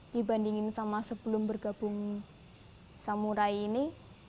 dibandingin sama sebelum bergabung samurai ini